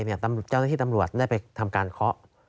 เจ้าหน้าที่ตำรวจได้ไปทำการเคาะ